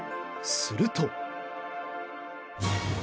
すると。